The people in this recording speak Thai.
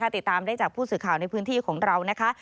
ติดตามได้จากผู้สื่อข่าวในพื้นที่ของเรานะคะ